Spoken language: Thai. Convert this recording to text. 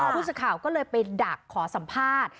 ผู้สื่อข่าวก็เลยไปดักขอสัมภาษณ์